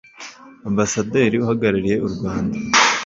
ambasaderi uhagarariye u rwanda